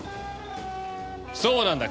そうなんだ。